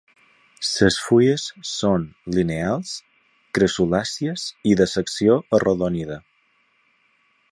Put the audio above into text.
Les fulles són lineals, crassulàcies i de secció arrodonida.